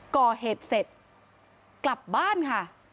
ก่อเหตุเสร็จกลับบ้านค่ะ